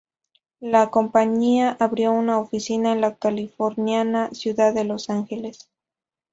La compañía abrió una oficina en la californiana ciudad de Los Ángeles.